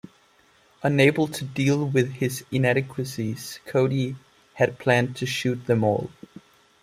Unable to deal with his inadequacies, Cody had planned to shoot them all.